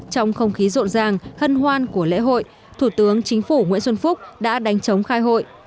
trong không khí rộn ràng hân hoan của lễ hội thủ tướng chính phủ nguyễn xuân phúc đã đánh chống khai hội